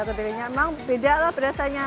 kedelainya memang beda lah berasanya